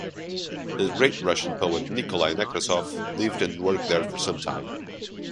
The great Russian poet Nikolay Nekrasov lived and worked there for some time.